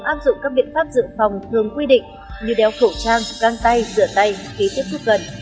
áp dụng các biện pháp dự phòng thường quy định như đeo khẩu trang găng tay rửa tay khi tiếp xúc gần